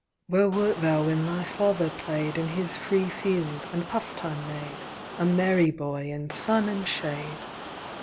"Where wert thou when thy father play'd In his free field, and pastime made, A merry boy in sun and shade?